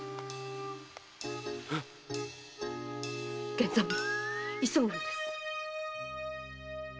源三郎急ぐのです！